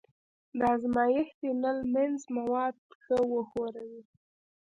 د ازمایښتي نل منځ مواد ښه وښوروئ.